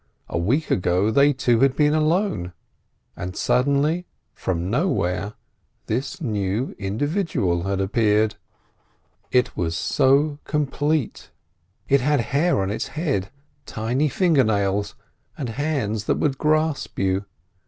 A week ago they two had been alone, and suddenly from nowhere this new individual had appeared. It was so complete. It had hair on its head, tiny finger nails, and hands that would grasp you.